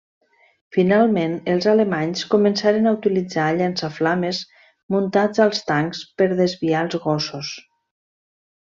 Finalment, els alemanys començaren a utilitzar llançaflames muntats als tancs per desviar els gossos.